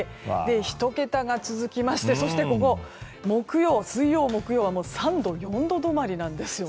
１桁が続きまして木曜、水曜は３度、４度止まりなんです。